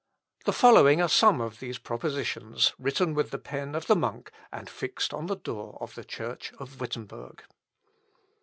The following are some of these Propositions, written with the pen of the monk, and fixed on the door of the church of Wittemberg.